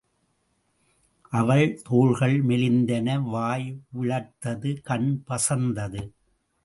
அவள் தோள்கள் மெலிந்தன வாய் விளர்த்தது கண் பசந்தது.